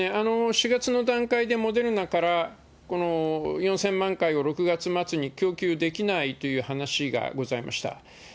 ４月の段階で、モデルナから、４０００万回を６月末に供給できないという話がございました。